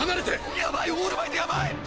やばいオールマイトやばい！